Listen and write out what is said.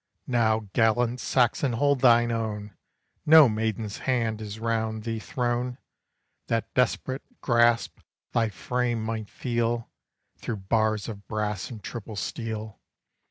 Now, gallant Saxon, hold thine own! No maiden's hand is round thee thrown! That desperate grasp thy frame might feel, Through bars of brass and triple steel!